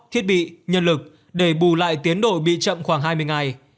thiết bị nhân lực để bù lại tiến độ bị chậm khoảng hai mươi ngày